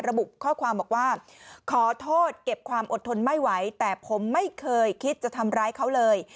ระบุข้อความบอกว่าขอโทษเก็บความอดทนไม่ไหวแต่ผมไม่เคยคิดจะทำร้ายเขาเลย